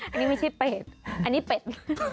อันนี้ไม่ใช่เป็ดอันนี้เป็ด